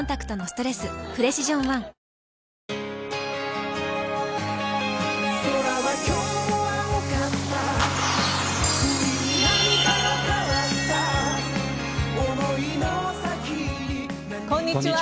こんにちは。